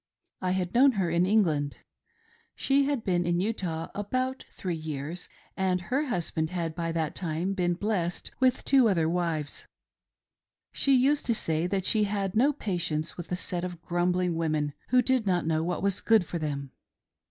I had known her in England — she had been in Vtah about three years, and her husband had by that time been blessed with two other wives. She used to say that she had no patience with a set of grumbling women who did not know what was good for them.